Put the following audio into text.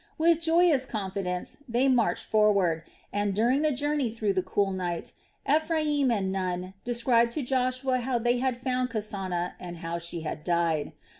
With joyous confidence they marched forward and, during the journey through the cool night, Ephraim and Nun described to Joshua how they had found Kasana and how she had died.